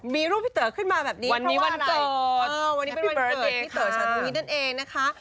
มีรูปพี่เต๋อขึ้นมาแบบนี้เพราะว่าอะไรโอ้โหวันนี้เป็นพี่เต๋อช่างทีนี้นั่นเองนะคะ